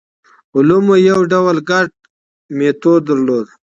علومو یو ډول ګډ میتود درلود.